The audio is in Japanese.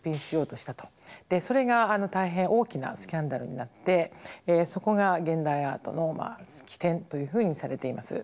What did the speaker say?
それが大変大きなスキャンダルになってそこが現代アートの起点というふうにされています。